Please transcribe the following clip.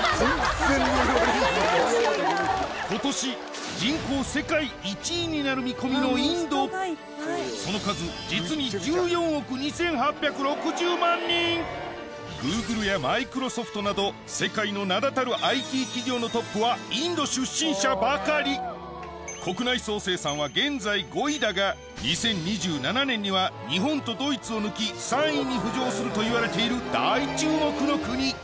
今年人口世界１位になる見込みのインドその数実になど世界の名だたるＩＴ企業のトップはインド出身者ばかり国内総生産は現在５位だが２０２７年には日本とドイツを抜き３位に浮上するといわれている大注目の国